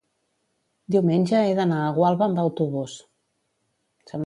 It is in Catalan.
diumenge he d'anar a Gualba amb autobús.